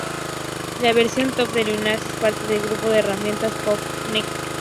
La versión Top de Linux es parte del grupo de herramientas procps-ng.